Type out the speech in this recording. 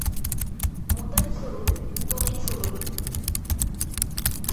முதல் சுருள், துணைச்சுருள்.